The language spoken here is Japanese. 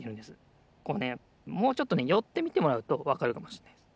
こうねもうちょっとねよってみてもらうとわかるかもしれないです。